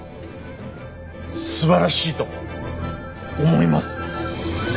すばらしいと思います。